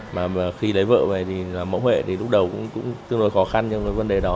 mà khi lấy vợ về thì là mẫu huệ tối lúc tương đối khó khăn trong vấn đề đó